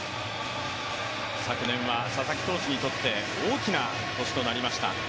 昨年は佐々木投手にとって大きな年となりました。